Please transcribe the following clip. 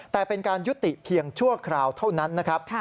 แต่เป็นการยุติเพียงชั่วคราวเท่านั้นนะครับ